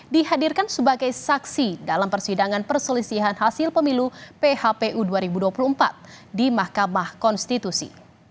dihadirkan sebagai saksi dalam persidangan perselisihan hasil pemilu phpu dua ribu dua puluh empat di mahkamah konstitusi